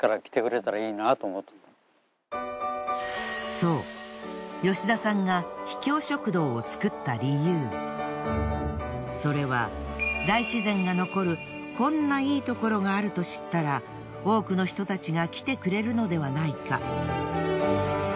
そう吉田さんがそれは大自然が残るこんないいところがあると知ったら多くの人たちが来てくれるのではないか。